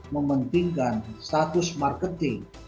menghentikan status marketing